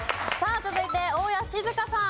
続いて大家志津香さん。